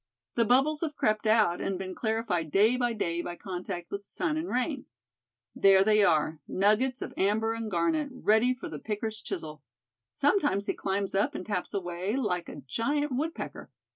The bubbles have crept out, and been clarified day by day by contact with sun and rain. There they are, nuggets of amber and garnet, ready for the picker's chisel. Sometimes he climbs up, and taps away like a giant woodpecker.